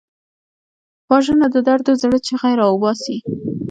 وژنه د دردو زړه چیغې راوباسي